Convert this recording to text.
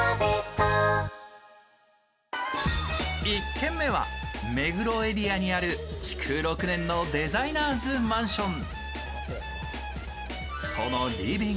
１軒目は目黒エリアにある築６年のデザイナーズマンション。